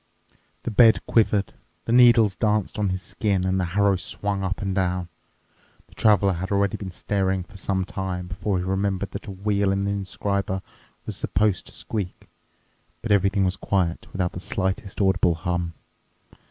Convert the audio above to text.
The bed quivered, the needles danced on his skin, and the harrow swung up and down. The Traveler had already been staring for some time before he remembered that a wheel in the inscriber was supposed to squeak. But everything was quiet, without the slightest audible hum.